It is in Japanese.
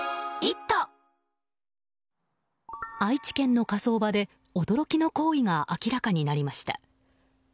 愛知県の火葬場で驚きの行為が明らかになりました。